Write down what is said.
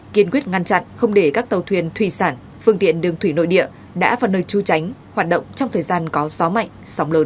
kiên quyết ngăn chặn không để các tàu thuyền thủy sản phương tiện đường thủy nội địa đã vào nơi tru tránh hoạt động trong thời gian có gió mạnh sóng lớn